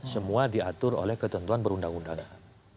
semua diatur oleh ketentuan perundang undangan